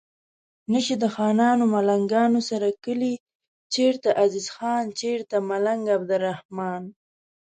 نه شي د خانانو ملنګانو سره کلي چرته عزیز خان چرته ملنګ عبدالرحمان